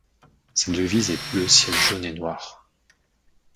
Sa devise est bleu ciel jaune et noir.